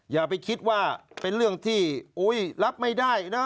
อย่าไปคิดว่าเป็นเรื่องที่รับไม่ได้นะ